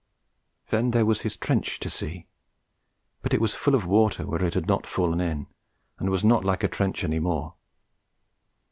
Then there was his trench to see; but it was full of water where it had not fallen in, and was not like a trench any more.